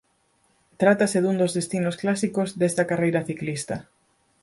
Trátase dun dos destinos clásicos desta carreira ciclista.